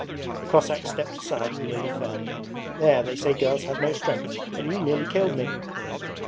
The Cossack stepped aside and nearly fell. 'There, they say girls have no strength, and you nearly killed me.'